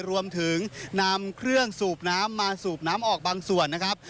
รวมถึงนำเครื่องสูบน้ำมาสูบน้ำออกบางส่วนนะครับ